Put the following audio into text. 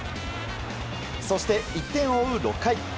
そして１点を追う６回。